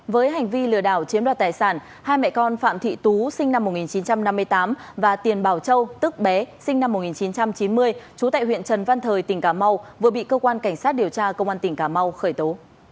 với hành vi lừa đảo chiếm đoạt tài sản hai mẹ con phạm thị tú sinh năm một nghìn chín trăm năm mươi tám và tiền bảo châu tức bé sinh năm một nghìn chín trăm chín mươi trú tại huyện trần văn thời tỉnh cà mau vừa bị cơ quan cảnh sát điều tra công an tỉnh cà mau khởi tố